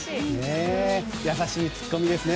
優しいツッコミですね。